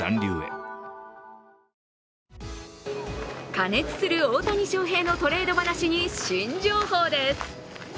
加熱する大谷翔平のトレード話に新情報です。